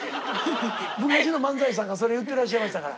昔の漫才師さんがそれ言ってらっしゃいましたから。